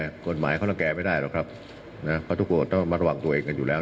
กฎหมายเขารังแก่ไม่ได้หรอกครับนะเพราะทุกคนต้องมาระวังตัวเองกันอยู่แล้ว